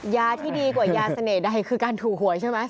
ยาที่ดีกว่ายาเสน่ห์ใดคือการถูกหวยใช่ไหม